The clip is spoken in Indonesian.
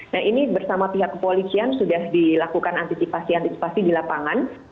nah ini bersama pihak kepolisian sudah dilakukan antisipasi antisipasi di lapangan